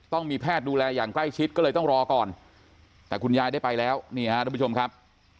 ต้องมีแพทย์ดูแลอย่างใกล้ชิดก็เลยต้องรอก่อนแต่คุณยายได้ไปแล้วนี่ฮะทุกผู้ชมครับ